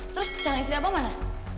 terus cahaya istri abah mana